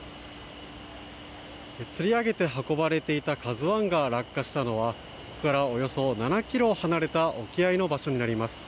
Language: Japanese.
つり上げて運ばれていた「ＫＡＺＵ１」が落下したのはここからおよそ７ｋｍ離れた沖合の場所になります。